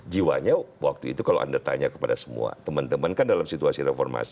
jiwanya waktu itu kalau anda tanya kepada semua teman teman kan dalam situasi reformasi